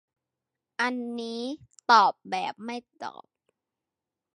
อันนี้ตอบแบบไม่ตอบ